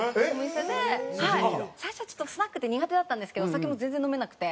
最初はちょっとスナックって苦手だったんですけどお酒も全然飲めなくて。